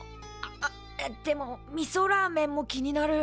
あっでもみそラーメンも気になる。